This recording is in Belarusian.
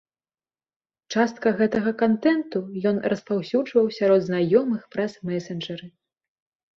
Частка гэтага кантэнту ён распаўсюджваў сярод знаёмых праз месенджары.